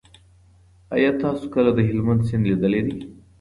آیا تاسو کله د هلمند سیند لیدلی دی؟